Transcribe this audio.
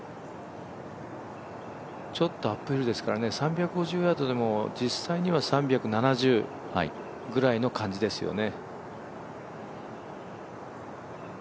ちょっとアップヒルですから、３５０ヤードでも、実際には３７０ぐらいの感じですよね。